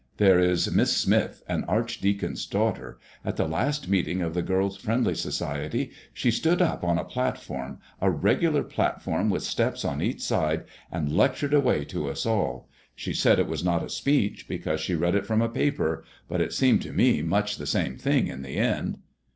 There is Miss Smith, an archdeacon's daughter. At the last meeting of the Girls' Friendly Society she stood up on a platform, a regular platform with steps on each side, and lectured away to us all. She said it was not a speech, because she read it from a paper, but it seems to me much the same thing in the end."